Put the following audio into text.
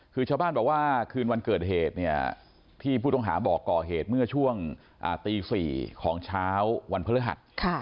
คือชาวบ้านบอกว่าคืนวันเกิดเหตุเนี่ยที่ผู้ต้องหาบอกก่อเหตุเมื่อช่วงตี๔ของเช้าวันพฤหัส